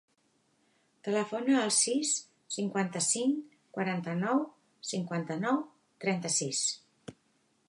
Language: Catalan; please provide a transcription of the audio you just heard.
Telefona al sis, cinquanta-cinc, quaranta-nou, cinquanta-nou, trenta-sis.